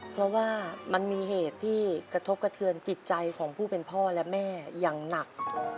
เพราะว่ามันมีเหตุที่กระทบกระเทือนจิตใจของผู้เป็นพ่อและแม่อย่างหนัก